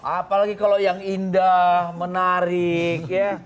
apalagi kalau yang indah menarik ya